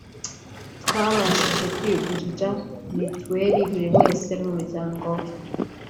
twabashije kwigurira mitiweli buri wese n’umuryango we